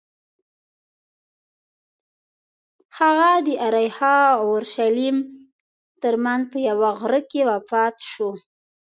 هغه د اریحا او اورشلیم ترمنځ په یوه غره کې وفات شو.